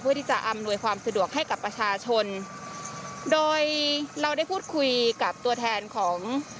ที่จะอำนวยความสะดวกให้กับประชาชนโดยเราได้พูดคุยกับตัวแทนของ